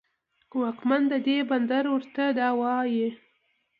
خو واکمن د دې بندر ورته دا وايي